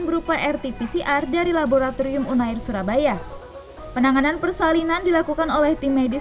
berupa rt pcr dari laboratorium unair surabaya penanganan persalinan dilakukan oleh tim medis